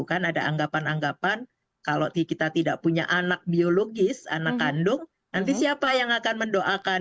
ada anggapan anggapan kalau kita tidak punya anak biologis anak kandung nanti siapa yang akan mendoakan